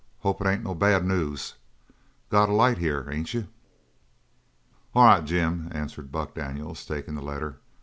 Hope it ain't no bad news. Got a light here, ain't you?" "All right, Jim," answered Buck Daniels, taking the letter.